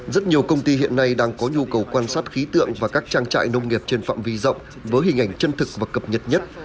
rất nhiều công ty hiện nay đang có nhu cầu quan sát khí tượng và các trang trại nông nghiệp trên phạm vi rộng với hình ảnh chân thực và cập nhật nhất